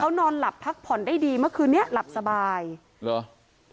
นอนหลับพักผ่อนได้ดีเมื่อคืนนี้หลับสบายเหรอ